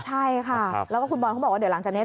ใช่ค่ะแล้วก็คุณบอลเขาบอกว่าเดี๋ยวหลังจากนี้